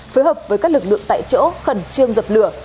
phối hợp với các lực lượng tại chỗ khẩn trương dập lửa